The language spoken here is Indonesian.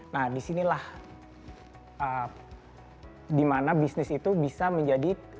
nah disinilah di mana bisnis itu bisa menjadi